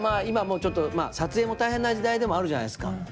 今もうちょっとまあ撮影も大変な時代でもあるじゃないですか。